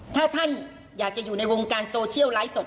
ถ้าท่านอยากจะอยู่ในวงการโซเชียลไลฟ์สด